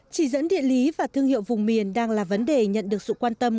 chỉ dẫn địa lý và thương hiệu vùng miền đang là vấn đề nhận được sự quan tâm